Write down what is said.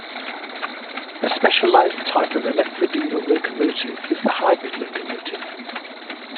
A specialized type of electro-diesel locomotive is the hybrid locomotive.